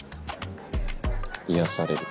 癒やされる。